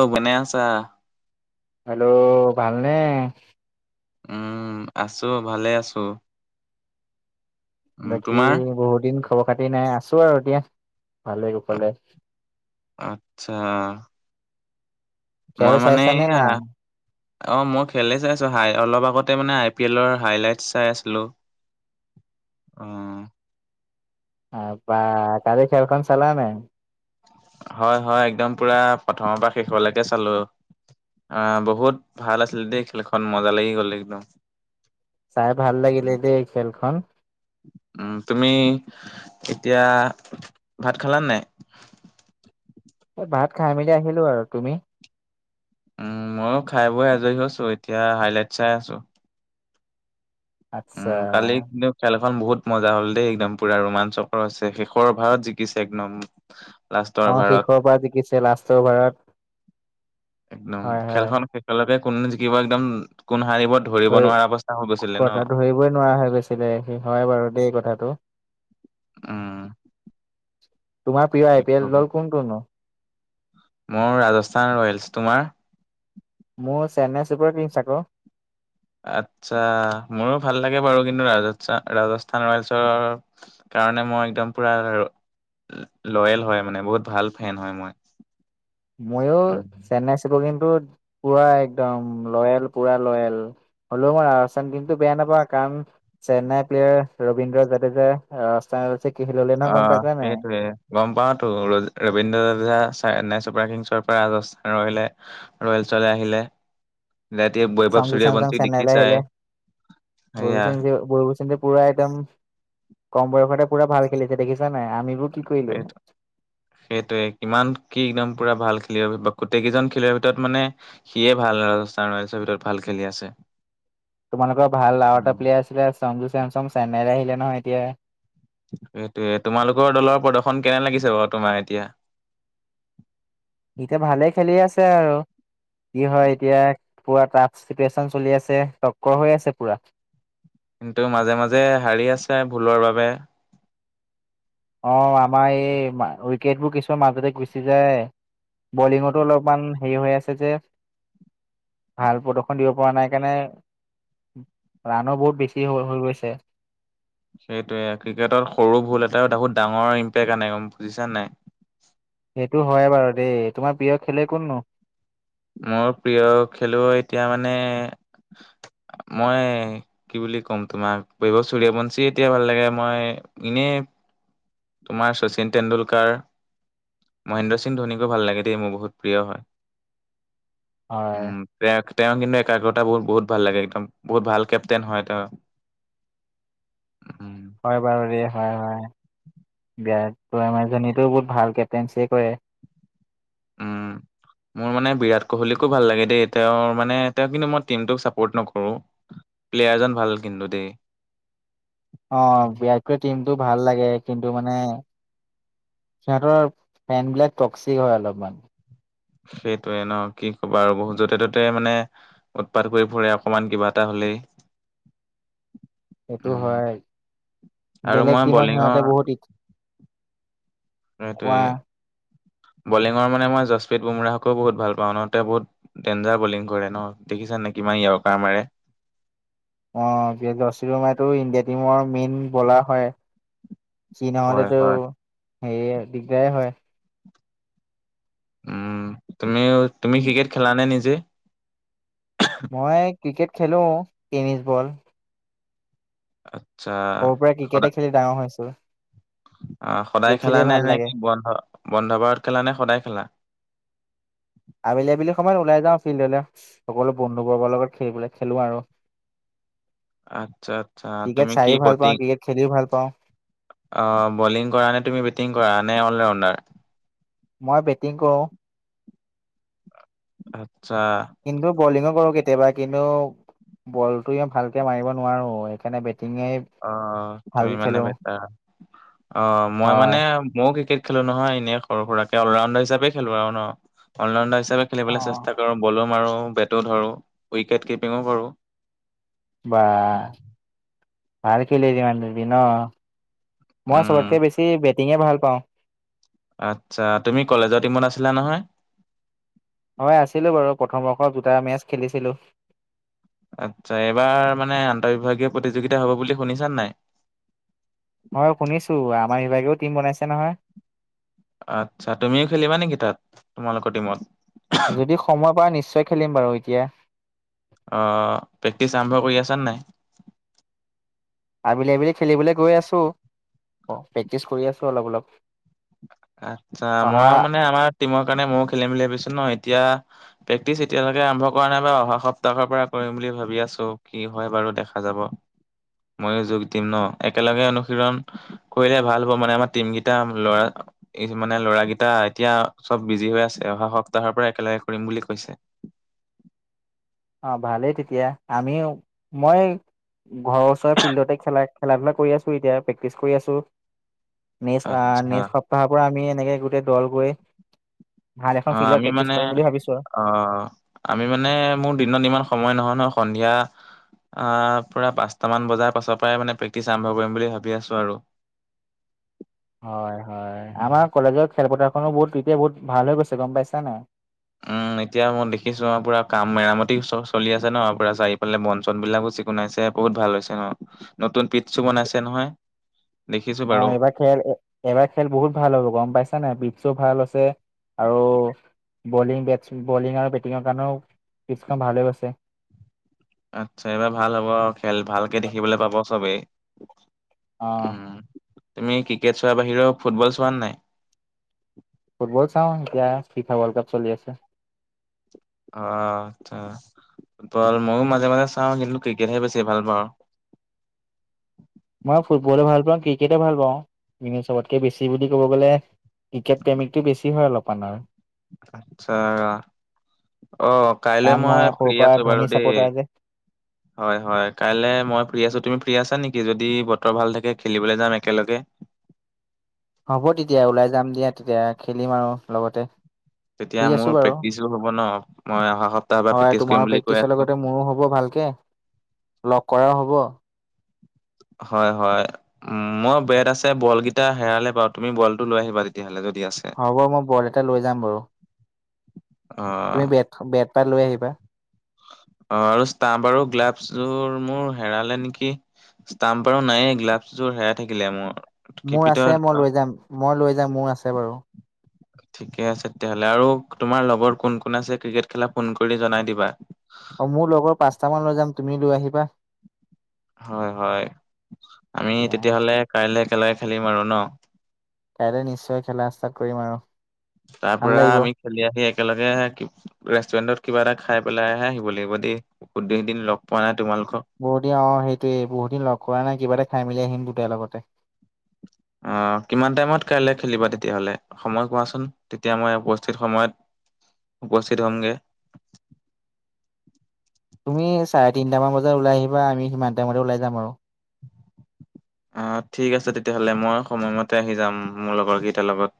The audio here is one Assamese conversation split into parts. অ'! বনাই আছা? হেল্ল'! ভালনে? উম! আছোঁ, ভালে আছোঁ। বাকী তোমাৰ? বহুত দিন খবৰ খাতি নাই, আছো আৰু এতিয়া ভালে কুশলে। আত্ছা। খেল মই মানে চাইছানে এয়া নাই অ মই খেলেই চাই আছোঁ। হাই অলপ আগতে মানে আই পি এলৰ হাইলাইটছ চাই আছিলোঁ। অ। বা! কালি খেলখন চালা নাই? হয়, হয়। একদম, পূৰা প্ৰথমৰ পৰা শেষলৈকে চালোঁ। অ'! বহুত ভাল আছিলে দেই খেলখন! মজা লাগি গ'ল একদম। চাই ভাল লাগিলে দেই খেলখন। উম! তুমি এতিয়া, ভাত খালা নাই? ভাত খাই মেলি আহিলোঁ আৰু। তুমি? উম! মইয়ো খাই বৈ আজৰি হৈছোঁ। এতিয়া, হাইলাইট চাই আছোঁ। আচ্ছা উম! কালি কিন্তু খেলখন বহুত মজা হ'ল দেই! একদম পূৰা ৰোমাঞ্চকৰ আছে, শেষৰ অভাৰত জিকিছে একদম। লাষ্টৰ অ'! অভাৰত শেষৰ পৰা জিকিছে, লাষ্টৰ বাৰত। একদম, খেলখন শেষলৈকে কোন জিকিব, একদম, কোন সাৰিব ধৰিব ধৰি নোৱাৰা অৱস্থা হৈ গৈছিলে কথা ন'! ধৰিবই নোৱাৰা হৈ গেছিলে। হে হয় বাৰু দেই, কথাটো। উম! তোমাৰ প্ৰিয় কি আই পি এল কবা দ'ল কোনটোনো? মোৰ ৰাজস্থান ৰয়েলছ। তোমাৰ? মোৰ, চেন্নাই ছুপাৰ কিংছ আ'ক। আচ্ছা! মোৰো ভাল লাগে বাৰু। কিন্তু, ৰাজস্থান, ৰাজস্থান ৰয়েলছৰ কাৰণে, মই একদম পূৰা লয়েল হয় মানে। বহুত ভাল ফেন হয়, মই। মইয়ো, উম, চেন্নাই ছুপাৰ টিমটোত, পূৰা একদম লয়েল, পূৰা লয়েল। হ'লেও, মই ৰাজস্থান টিমটো বেয়া নাপাওঁ। কাৰণ, চেন্নাই প্লেয়াৰ ৰবীন্দ্ৰ জাদেবে ৰাজস্থান [unintelligible] কি ল'লে, অ [unintelligible] গম পাইছা নাই? সেইটোয়ে গম পাওঁতো। ৰ, ৰবীন্দ্ৰ ৰজা, চেন্নাই ছুপাৰ কিংছৰ পৰা ৰাজস্থান আহিলে। ৰয়েলছলে আহিলে। ৰাতিয়ে বৈভৱ চামজু চলিহাৰ চেমচং বন্তি চেন্নাইলৈ দেখিছাই? সেয়া বৈভৱ চলিহাই পূৰা একদম, কম বয়সতে পূৰা ভাল খেলিছে দেখিছা নাই? আমিবোৰ [unintelligible] সেইটোৱে! কিমান, কি একদম পূৰা ভাল খেলুৱৈৰ বা গোটেই কেইজন খেলুৱৈৰ ভিতৰত মানে, সিয়ে ভাল, ৰাজস্থান ৰয়েলছৰ ভিতৰত ভাল খেলি আছে। তোমালোকৰ ভাল আৰু এটা প্লেয়াৰ আছিলে, সঞ্জু চেমচং চেন্নাইলৈ আহিলে নহয়, এতিয়া। সেইটোৱে! তোমালোকৰ দলৰ প্ৰদৰ্শন কেনে লাগিছে বাৰু, তোমাৰ এতিয়া? এতিয়া, ভালে খেলি আছে আৰু। কি হয় এতিয়া, পূৰা টাফ চিটুৱেশ্চন চলি আছে। তক্কৰ হৈ আছে পূৰা। তেওঁ মাজে- মাজে সাৰি আছে, ভুলৰ বাবে। অ'! আমাৰ এই, উইকেটবোৰ, কিছুমান মাজতে গুচি যায়। বলিঙতো অলপমান হেৰি হৈ আছে যে। ভাল প্ৰদৰ্শন দিব পৰা নাই, কাৰণে ৰানো, বহুত বেছি হৈ হৈ গৈছে। সেইটোৱে! ক্ৰিকেটত সৰু ভুল এটাও, তাকো, ডাঙৰ ইম্পেক্ট আনে, বুজিছা নাই? সেইটো হয় বাৰু দেই! তোমাৰ প্ৰিয় খেলুৱৈ কোননো? মোৰ প্ৰিয় খেলুৱৈ এতিয়া মানে মই কি বুলি ক'ম তোমাক, বইভব চুৰিয়াবন্চি এতিয়া ভাল লাগে, মই ইনে তোমাৰ শচীন টেণ্ডুলকাৰ মহেন্দ্ৰ সিং ধোনীকো ভাল লাগে দেই, মোৰ বহুত প্ৰিয় হয়। হয়! উম, তেওঁ, তেওঁ কিন্তু, একাগ্ৰতাবোৰ বহুত ভাল লাগে একদম! বহুত ভাল কেপটেইন হয়, তেওঁ। উম! হয় বাৰু [unintelligible] হয়, হয়। [unintelligible] মানুহজনীটো বহুত ভাল কেপটেইনচে কৰে। উম। মোৰ মানে বিৰাট কোহলীকো ভাল লাগে দেই, তেওঁৰ মানে তেওঁ কিন্তু মই টিমটোক চাপৰ্ট নকৰোঁ। প্লেয়াৰজন ভাল কিন্তু দেই। অ ভিৰাতৰ টিম টো ভাল লাগে কিন্তু মানে সিহঁতৰ ফেন বিলাক টক্সিক হয় অলপমান। সেইটোৱেই ন কি ক'বা আৰু বহুত য'তে ত'তে মানে উৎপাত কৰি ফুৰে অকমান কিবা এটা হলেই। সেইটো উম, হয়, আৰু বেলেগ মই টিমত বলিঙৰ সিহঁতে বহুত ই সেইটোৱে, বলিঙৰ মানে মই জাস্প্ৰীত বুমৰাহকো বহুত ভাল পাওঁ ন, তেওঁ বহুত ডেঞ্জাৰ বলিং কৰে ন, দেখিছান নে কিমান ইয়কাৰ মাৰে? অ জাস্প্ৰীত বুমৰাহটো ইণ্ডিয়া টিমৰ মেইন বলাৰ হয়। সি হয়, নহলেতো হয়। হেৰি এ দিগদাৰে হয়। উম, তুমিও তুমি ক্ৰিকেট খেলানে নিজেই? মই ক্ৰিকেট খেলো টেনিছ বল। আত্ছা। সৰুৰ পৰা ক্ৰিকেটে খেলি ডাঙৰ হৈছো। অ সদায় ক্ৰিকেট খেলা খেলিয়ে নে ভাল নে, লাগে কি বন্ধ বন্ধ বাৰত খেলা নে সদায় খেলা? আবেলি-আবেলি সময়ত ওলাই যাওঁ ফিল্ডলে, সকলো বন্ধু বৰ্গৰ লগত খেলিবলৈ খেলো আৰু। আত্ছা-আত্ছা, ক্ৰিকেট তুমি কি চাইও ভাল পাওঁ বটিং ক্ৰিকেট খেলিও ভাল পাওঁ। অ বলিং কৰা নে, তুমি বেটিং কৰা নে অল ৰাউণ্ডাৰ? মই বেটিং কৰো। আতছা। কিন্তু বলিঙো কৰো কেতিয়াবা। কিন্তু বলটো ই ভালকে মাৰিব নোৱাৰো, সেইকাৰণে বেটিঙে অ অ, তুমি ভালকে মানে খেলো বেটাৰ, অ মই মানে হয়। ময়ো ক্ৰিকেট খেলো নহয় এনেই সৰু সুৰাকে, অলৰাউণ্ডাৰ হিচাপে খেলো আৰু ন অলৰাউণ্ডাৰ হিচাপে অ খেলিবলৈ চেষ্টা বলো মাৰো, বেটো ধৰো, উইকেট কিপিঙো কৰো। বা ভাল খেলে [unintelligible] মই উম চবতকে বেছি বেটিঙে ভাল পাওঁ। আত্ছা, তুমি কলেজৰ টিমত আছিলা নহয়? মই আছিলো বাৰু প্ৰথম বৰ্ষ দুটা মেচ খেলিছিলো। আত্ছা, এইবাৰ মানে আন্তঃবিভাগীয় প্ৰতিযোগিতা হব বুলি শুনিছানে নাই? হয় শুনিছো, আমাৰ বিভাগেও টিম বনাইছে নহয়। আত্ছা, তুমিও খেলিবা নেকি তাত তোমালোকৰ টিমত? যদি সময় পাও নিশ্চয় খেলিম বাৰু এতিয়া। অ, পেক্টিচ আৰম্ভ কৰি আছা নে নাই? আবেলি-আবেলি খেলিবলৈ গৈ আছো। অ প্ৰেক্টিচ কৰি আছো অলপ-অলপ। আত্ছা, মই মানে আমাৰ টিমৰ কাৰণে ময়ো খেলিম বুলি ভাবিছো ন, এতিয়া প্ৰেক্টিচ এতিয়ালৈকে আৰম্ভ কৰা নাই বাৰু, অহা সপ্তাহৰ পৰা কৰিম বুলি ভাবি আছো, কি হয় বাৰু দেখা যাব। মইয়ো যোগ দিম ন, একেলগে অনুশীৰন কৰিলে ভাল হ'ব মানে আমাৰ টিম গিটা ল'ৰা ই মানে ল'ৰাকেইটা এতিয়া চব বিজি হৈ আছে, অহা সপ্তাহৰ পৰা একেলগে কৰিম বুলি কৈছে। অ ভালেই তেতিয়া, আমি মই ঘৰৰ ওচৰ ফিল্ডতে খেলাক খেলা ধূলা কৰি আছোঁ এতিয়া প্ৰেক্টিচ কৰি আছোঁ মেচ আ আচ্ছা মেচ তাৰ পৰা আমি এনেকে গোটেই দল গৈ ভাল অ এখন ফিল্ডত আমি মানে প্ৰেক্টিচ কৰিম বুলি ভাবিছোঁ আৱ। অ আমি মানে মোৰ দিনত ইমান সময় নহয় নহয় সন্ধিয়া আহ পুৰা পাঁচটা মান বজাৰ পাছৰ পৰাই মানে প্ৰেক্টিচ আৰম্ভ কৰিম বুলি ভাবি আছো আৰু। হয় হয়, আমাৰ কলেজৰ খেলপথাৰখনো বহুত তেতিয়া বহুত ভাল হৈ গৈছে গম পাইছা নাই? উম, এতিয়া মই দেখিছো আৰু পুৰা কাম মেৰামতি চ চলি আছে ন, পুৰা চাৰিফালে বন-চন বিলাকো চিকুণাইছে বহুত ভাল হৈছে ন, নতুন পিটছু বনাইছে নহয়। দেখিছো অ বাৰু। এইবাৰ খেল এ এবাৰ খেল বহুত ভাল হ'ব গম পাইছা নাই? পিটছু ভাল আছে আৰু বলিং বেটছ বলিং আৰু বেটিঙৰ কাৰণেও পিটছখন ভালে কৈছে। আতচ্ছা, এইবাৰ ভাল হ'ব আৰু খেল ভালকে দেখিবলৈ পাব চবেই। অহ। উম। তুমি ক্ৰিকেট চোৱা বাহিৰেও ফুটবল চোৱা নে নাই? ফুটবল চাওঁ এতিয়া ফিফা ৱৰ্ল্ড কাপ চলি আছে। অ আচ্ছা ফুটবল ময়ো মাজে মাজে চাওঁ কিন্তু ক্ৰিকেটহে বেছি ভাল পাওঁ। মই ফুটবলো ভাল পাওঁ ক্ৰিকেটো ভাল পাওঁ। কিন্তু চবতকে বেছি বুলি ক'ব গ'লে ক্ৰিকেট প্ৰেমিকটো বেছি হয় অলপমান আৰু আচ্ছা অ কাইলে কাৰণ মই সৰুৰ ফ্ৰী পৰা আছোঁ বাৰু ধনী দেই। চাপৰ্টাৰ যে [inaudible] হয় হয় কাইলে মই ফ্ৰী আছোঁ তুমি ফ্ৰী আছা নেকি? যদি বতৰ ভাল থাকে খেলিবলৈ যাম একেলগে। হ'ব তেতিয়া ওলাই যাম দিয়া তেতিয়া খেলিম আৰু লগতে। তেতিয়া ফ্ৰী মোৰ আছোঁ বাৰু, প্ৰেক্টিচো হ'ব ন মই অহা সপ্তাহৰ পৰা হয় প্ৰেক্টিচ কৰিম তোমাৰো বুলি কৈ প্ৰেক্টিচৰ আছো। লগতে মোৰো হ'ব ভাল কে, লগ কৰাও হ'ব। হয় হয়। উম মই বেট আছে বল কেইটা হেৰালে বাও তুমি বলটো লৈ আহিবা তেতিয়া হ'লে যদি আছে। হ'ব মই বল এটা লৈ যাম বাৰু। অ তুমি বেট বেট পাত লৈ আহিবা। অ আৰু ষ্টাম আৰু গ্লাভছ যোৰ মোৰ হেৰালে নেকি? ষ্টাম্প আৰু নাইয়েই গ্লাভছ যোৰ হেৰাই থাকিলে মোৰ। মোৰ আছে কিপিটত মই লৈ যাম। মই লৈ যাম মোৰ আছে বাৰু। ঠিকে আছে তেতিয়া হ'লে আৰু তোমাৰ লগৰ কোন কোন আছে ক্ৰিকেট খেলা ফোন কৰি জনাই দিবা। অ মোৰ লগৰ পাঁচটা মান লৈ যাম তুমি লৈ আহিবা। হয় হয়। আমি দিয়া তেতিয়াহলে কাইলে একেলগে খেলিম আৰু ন। কাইলৈ নিশ্চয় খেলা ষ্টাৰ্ট কৰিম আৰু। তাৰ ভাল পৰা লাগিব আমি খেলি আহি একেলগে ৰেষ্টুৰেণ্টত কিবা এটা খাই পেলাইহে আহিব লাগিব দেই বহুত কেইদিন লগ পোৱা নাই তোমালোকক। বহুত দিন অ সেইটোৱেই বহু দিন লগ কৰা নাই কিবা এটা খাই মেলি আহিম দুটাই লগতে অ কিমান টাইমত কাইলে খেলিবা তেতিয়াহ'লে। সময় কোৱাচোন তেতিয়া মই উপস্থিত সময়ত উপস্থিত হ'মগে। তুমি চাৰে তিনটা মান বজাত ওলাই আহিবা আমি সিমান টাইমতে ওলাই যাম আৰু। অ ঠিক আছে তেতিয়াহ'লে মই সময়মতে আহি যাম মোৰ লগৰকেইটাৰ লগত।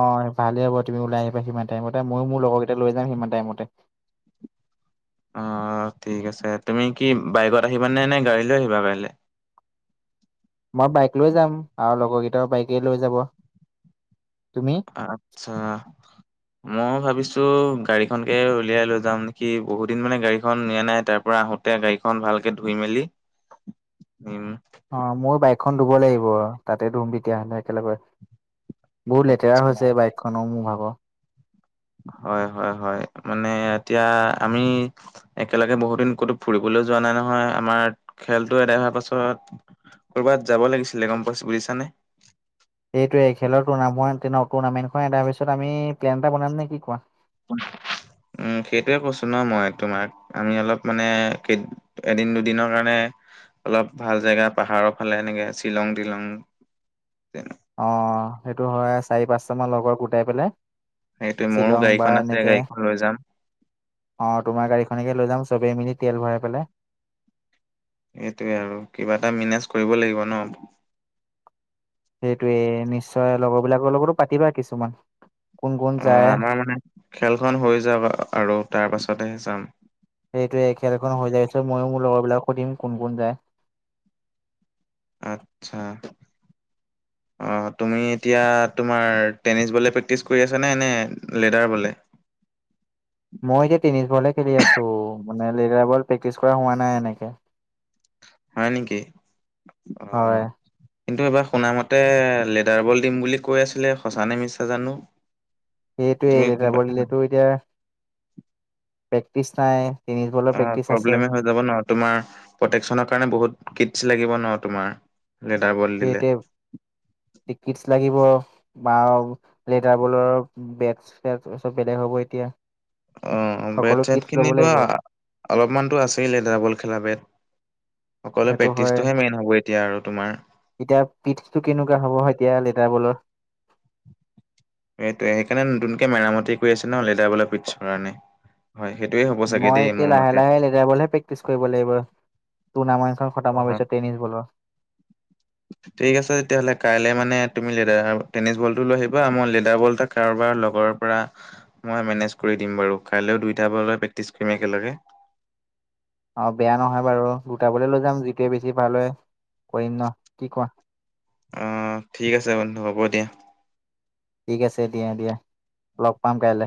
অ ভালে হ'ব তুমি ওলাই আহিবা সিমান টাইমতে ময়ো মোৰ লগৰ কেইটা লৈ যাম সিমান টাইমতে। অ ঠিক আছে তুমি কি বায়েকত আহিবানে নে গাড়ী লৈ আহিবা কাইলে? মই বায়েক লৈ যাম আৰু লগৰ কেইটাও বায়েকে লৈ যাব। তুমি? আতচ্ছা মও ভাবিছোঁ গাড়ীখনকে উলিয়াই লৈ যাম নেকি বহুত দিন মানে গাড়ীখন নিয়া নাই তাৰ পৰা আহো তে গাড়ীখন ভালকে ধুই মেলি নিম। অ ময়ো বায়েকখন ধুব লাগিব তাতে ধুম তেতিয়াহ'লে একেলগে। বহুত লেতেৰা হৈছে বায়েক খনো মোৰ ভাগ হয় হয় হয় মানে এতিয়া আমি একেলগে বহুত দিন ক'তো ফুৰিবলৈ যোৱা নাই নহয় আমাৰ খেলতো এদায় হোৱাৰ পাছত- ক'ৰবাত যাব লাগিছিলে গম পাইছ বুজিছানে। এইটোৱেখেলৰ টুৰ্নামেণ্ট টুৰ্নামেণ্ট খনে তাৰ পিছত আমি প্লেন এটা বনাম নে কি কোৱা, উম সেইটোৱে কৈছোঁ ন মই তোমাক। আমি অলপ মানে কেই এদিন দুদিনৰ কাৰণে অলপ ভাল জেগা পাহাৰৰ ফালে এনেকে শ্বিলং তিলং অ সেইটো হয় চাৰি পাঁচটা মান লগৰ গোটাই পেলাই। সেইটোয়ে মোৰো শ্বিলং বা গাড়ীখন আছে এনেকে গাড়ীখন লৈ যাম। অ তোমাৰ গাড়ীখনকে লৈ যাম চবেই মিলি তেল ভৰাই পেলাই। এইটোৱে আৰু কিবা এটা মেনেজ কৰিব লাগিব ন। সেইটোয়ে নিশ্চয় লগৰ বিলাকৰ লগতো পাতিবা কিছুমান। কোন কোন অ যায় আমাৰ মানে খেলখন হৈ যাওঁক আৰু তাৰ পাছতহে চাম। সেইটোৱে খেলখন হৈ যায় পিছত ময়ো মোৰ লগৰ বিলাকক সুধিম কোন কোন যায়। আচ্ছা অ অ তুমি এতিয়া তোমাৰ টেনিছ বলে প্ৰেক্টিছ কৰি আছা নে নে লেডাৰ বলে? মই এতিয়া টেনিছ বল খেলি আছোঁ মানে লেডাৰ বল প্ৰেক্টিছ কৰা হোৱা নাই এনেকে। হয় নেকি অ? হয় কিন্তু এইবাৰ শুনা মতে লেডাৰ বল দিম বুলি কৈ আছিলে সঁচা নে মিছা জানোঁ। সেইটোৱেই লেটাবলিলেতটো এতিয়া প্ৰেক্টিচ নাই। টেনিছ বলৰ অ প্ৰেক্টিচ আছে। প্ৰব্লেম হৈ যাব ন তোমাৰ প্ৰটেকচনৰ কাৰণে বহুত কিটছ লাগিব ন তোমাৰ। লেডাৰ বল দিলে সেইটোৱে টিকিচ লাগিব। বা লেডাৰ বলৰ বেট চেটব বেলেগ হ'ব এতিয়া অ সকলো বেট চেট কিটছ ল'ব খিনি ধৰা লাগিব অলপমানতো আছেই লেডাৰ বল খেলা বেট অকলে সেইটো হয় প্ৰেক্টিচটোহে মেইন হ'ব এতিয়া আৰু তোমাৰ এতিয়া পিটটো কেনেকুৱা হ'ব হয় এতিয়া লেটাৰ বলৰ। সেইটোয়ে সেইকাৰণে নতুনকে মেৰামতি কৰি আছোঁ ন লেডাৰ বলৰ পিছৰ কাৰণে। হয় সেইটোয়ে হ'ব চাগে মই দেই এতিয়া মোৰ লাহে মতে। লাহে লেডাৰ বলহে প্ৰেক্টিচ কৰিব লাগিব। তোনামৰ সেইখন খটম হোৱা অ', পাছত টেনিছ বলৰ। ঠিক আছে তেতিয়াহ'লে কাইলে মানে তুমি লেডাৰ টেনিছ বলটো লৈ আহিবা মই লেডাৰ বল এটা কাৰোবাৰ লগৰ পৰা মই মেনেজ কৰি দিম বাৰু কাইলৈও দুইটা বজত প্ৰেক্টিছ কৰিম একেলগে। অ বেয়া নহয় বাৰু দুটা বলে লৈ যাম যিটোৱে বেছি ভাল হয় কৰিম ন কি কোৱা? অ ঠিক আছে বন্ধু হ'ব দিয়া। ঠিক আছে দিয়া দিয়া লগ পাম কাইলে।